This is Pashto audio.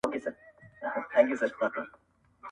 غرمه په يو بل کور کي مېلمانه وو